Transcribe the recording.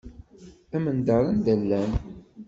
Amendeṛ anda llan.